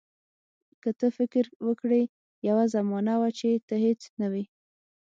که ته فکر وکړې یوه زمانه وه چې ته هیڅ نه وې.